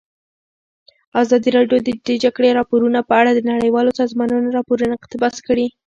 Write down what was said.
ازادي راډیو د د جګړې راپورونه په اړه د نړیوالو سازمانونو راپورونه اقتباس کړي.